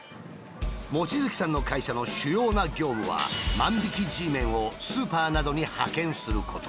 望月さんの会社の主要な業務は万引きＧメンをスーパーなどに派遣すること。